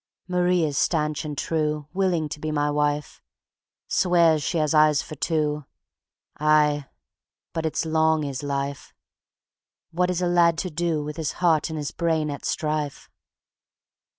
Marie is stanch and true, Willing to be my wife; Swears she has eyes for two ... Aye, but it's long, is Life. What is a lad to do With his heart and his brain at strife?